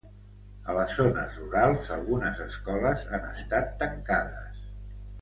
A les zones rurals, algunes escoles han estat tancades.